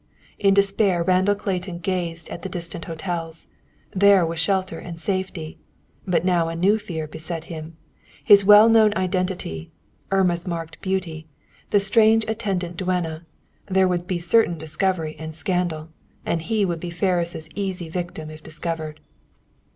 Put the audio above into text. In despair, Randall Clayton gazed at the distant hotels; there was shelter and safety. But now a new fear beset him. His well known identity, Irma's marked beauty, the strange attendant duenna, there would be certain discovery and scandal. And he would be Ferris' easy victim if discovered.